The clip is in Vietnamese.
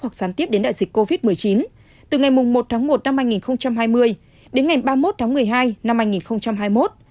hoặc gián tiếp đến đại dịch covid một mươi chín từ ngày một tháng một năm hai nghìn hai mươi đến ngày ba mươi một tháng một mươi hai năm hai nghìn hai mươi một